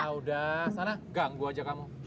sudah sana ganggu saja kamu